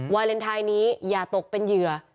วาเลนไทยนี้อย่าตกเป็นเหยื่อ